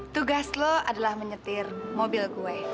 tugas lo adalah menyetir mobil gue